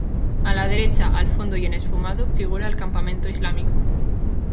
A la derecha, al fondo y en esfumado, figura el campamento islámico.